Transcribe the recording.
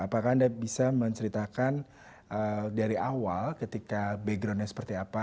apakah anda bisa menceritakan dari awal ketika backgroundnya seperti apa